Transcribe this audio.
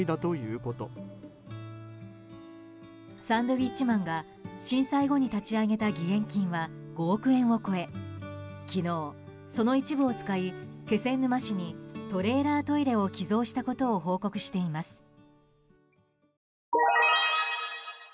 サンドウィッチマンが震災後に立ち上げた義援金は５億円を超え昨日、その一部を使い気仙沼市にトレーラートイレを寄贈したことを報告しています。